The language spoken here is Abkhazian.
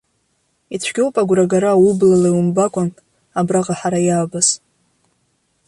Ицәгьоуп агәра агара ублала иумбакәан абраҟа ҳара иаабаз.